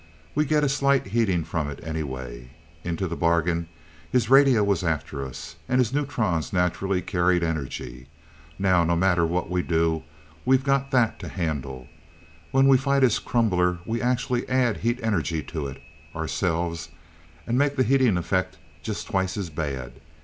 We get a slight heating from it, anyway. Into the bargain, his radio was after us, and his neutrons naturally carried energy. Now, no matter what we do, we've got that to handle. When we fight his crumbler, we actually add heat energy to it, ourselves, and make the heating effect just twice as bad.